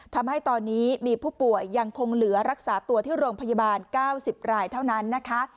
ทำให้ตอนนี้มีผู้ป่วยยังคงเหลือรักษาตัวที่โรงพยาบาล๙๐รายเท่านั้นนะคะ